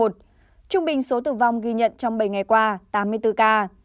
trung bình số tử vong ghi nhận trong bảy ngày qua tám mươi bốn ca